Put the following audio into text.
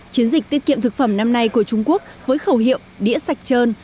chiến dịch tiết kiệm thực phẩm năm nay của trung quốc với khẩu hiệu đĩa sạch trơn